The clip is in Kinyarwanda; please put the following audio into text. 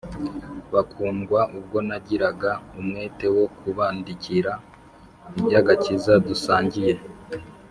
bakundwa, ubwo nagiraga umwete wo kubandikira iby’agakiza dusangiye